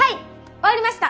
終わりました！